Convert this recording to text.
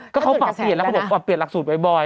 ก็เขาปรับเปลี่ยนแล้วพอเรียนหลักสูตรบ่อย